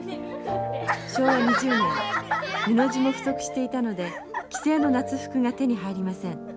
昭和２０年布地も不足していたので既製の夏服が手に入りません。